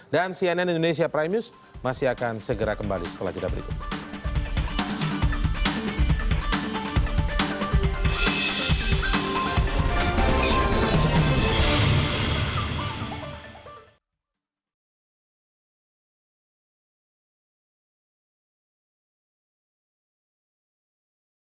dan cnn indonesia prime news masih akan segera kembali setelah kita berikut